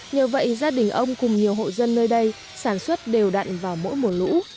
nhờ vậy gia đình ông cùng nhiều hộ dân nơi đây sản xuất đều đặn vào mỗi mùa lũ